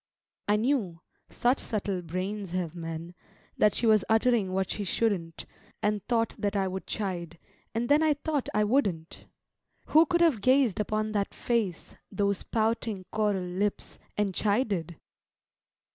I knew (such subtle brains have men) That she was uttering what she shouldn't; And thought that I would chide, and then I thought I wouldn't: Who could have gazed upon that face, Those pouting coral lips, and chided?